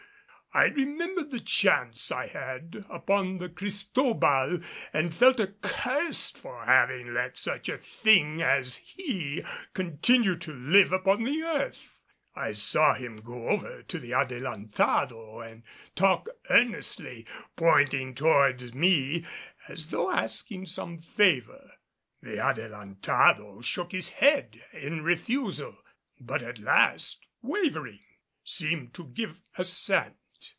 I remembered the chance I had upon the Cristobal and felt accursed for having let such a thing as he continue to live upon the earth. I saw him go over to the Adelantado and talk earnestly, pointing toward me as though asking some favor. The Adelantado shook his head in refusal, but at last wavering, seemed to give assent.